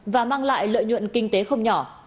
và mang lại lợi nhuận kinh tế không nhỏ